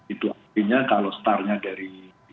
itu artinya kalau startnya dari dua ribu dua puluh dua